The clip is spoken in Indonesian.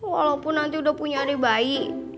walaupun nanti udah punya adik bayi